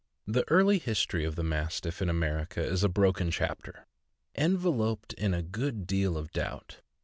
The early history of the Mastiff in America is a broken chapter, enveloped in a good deal of doubt.